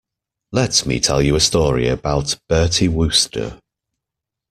Let me tell you a story about Bertie Wooster.